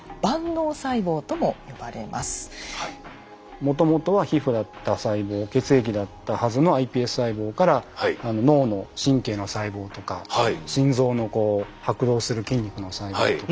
もともとは皮膚だった細胞血液だったはずのｉＰＳ細胞から脳の神経の細胞とか心臓のこう拍動する筋肉の細胞とか。